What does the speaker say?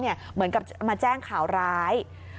เหมือนกับมาแจ้งข่าวร้าย